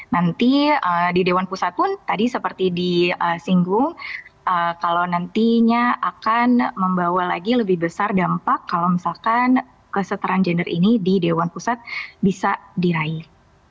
nanti di dewan pusat pun tadi seperti disinggung kalau nantinya akan membawa lagi lebih besar dampak kalau misalkan kesetaraan gender ini di dewan pusat bisa diraih